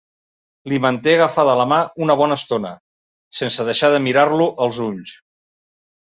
Li manté agafada la mà una bona estona, sense deixar de mirar-lo als ulls.